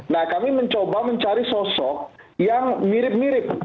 nah kami mencoba mencari sosok yang mirip mirip